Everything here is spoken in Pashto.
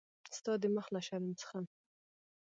ستا د مخ له شرم څخه.